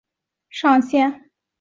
其官方网站也于当日上线。